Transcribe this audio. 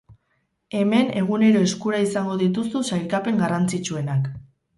Hemen egunero eskura izango dituzu sailkapen garrantzitsuenak.